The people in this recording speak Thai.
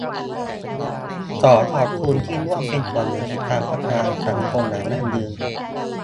ขอขอบคุณที่ร่วมเป็นส่วนหนึ่งในการพัฒนาสังคมอย่างยั่งยืน